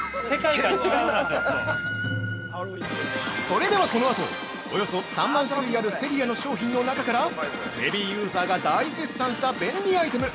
◆それでは、このあとおよそ３万種類あるセリアの商品の中からヘビーユーザーが大絶賛した便利アイテム